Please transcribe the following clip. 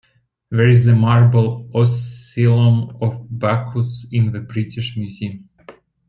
There is a marble "oscillum" of Bacchus in the British Museum.